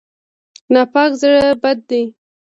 ناپاک زړه بد دی.